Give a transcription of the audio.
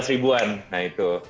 lima belas ribuan nah itu